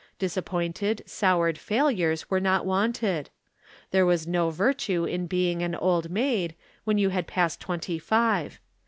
Disappointed, soured failures were not wanted. There was no virtue in being an "Old Maid" when you had passed twenty five.